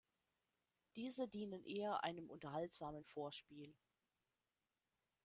Diese dienen eher einem unterhaltsamen Vorspiel.